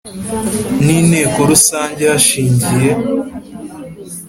N inteko rusange hashingiye